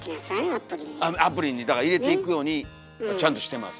アプリに入れていくようにちゃんとしてます。